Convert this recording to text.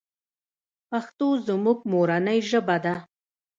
پښتو زموږ مورنۍ ژبه ده.